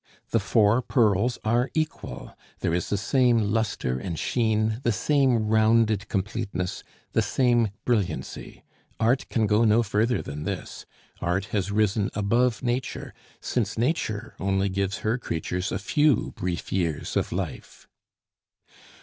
The four pearls are equal; there is the same lustre and sheen, the same rounded completeness, the same brilliancy. Art can go no further than this. Art has risen above Nature, since Nature only gives her creatures a few brief years of life.